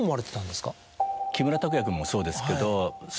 木村拓哉君もそうですけど。